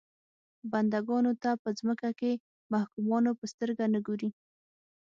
بنده ګانو ته په ځمکه کې محکومانو په سترګه نه ګوري.